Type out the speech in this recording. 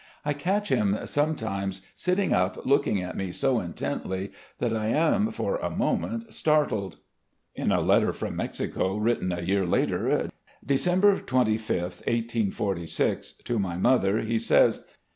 I catch him sometimes sitting up looking at me so intently that I am for a moment startled. ..." In a letter from Mexico written a year later — December 25, '46, to my mother, he says